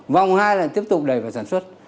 vòng hai là tiếp tục đẩy vào sản xuất